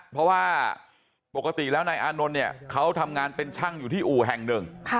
เพราะว่าปกติแล้วนายอานนท์เนี่ยเขาทำงานเป็นช่างอยู่ที่อู่แห่งหนึ่ง